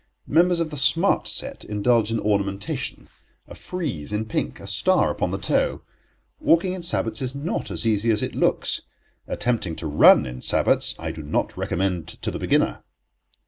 Members of the Smart Set indulge in ornamentation; a frieze in pink, a star upon the toe. Walking in sabots is not as easy as it looks. Attempting to run in sabots I do not recommend to the beginner.